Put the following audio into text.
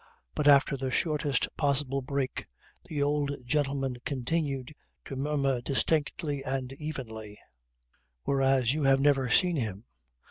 But after the shortest possible break the old gentleman continued to murmur distinctly and evenly: "Whereas you have never seen him.